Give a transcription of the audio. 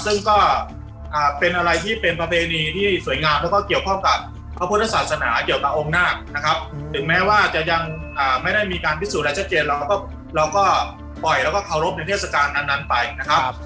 ซึ่งก็เป็นอะไรที่เป็นประเพณีที่สวยงามแล้วก็เกี่ยวข้องกับพระพุทธศาสนาเกี่ยวกับองค์นาคนะครับถึงแม้ว่าจะยังไม่ได้มีการพิสูจนอะไรชัดเจนเราก็ปล่อยแล้วก็เคารพในเทศกาลอันนั้นไปนะครับ